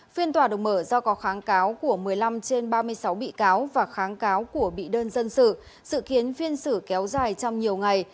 phiên tòa được mở do có kháng cáo của một mươi năm trên ba mươi sáu bị cáo và kháng cáo của bị đơn dân sự dự kiến phiên xử kéo dài trong nhiều ngày